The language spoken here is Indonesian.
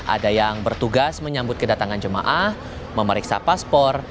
ada yang bertugas menyambut kedatangan jemaah memeriksa paspor